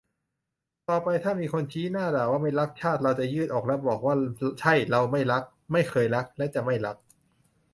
ต่อไปถ้ามีคนชี้หน้าด่าว่าไม่รักชาติเราจะยืดอกและบอกว่าใช่เราไม่รัก ไม่เคยรักและจะไม่รัก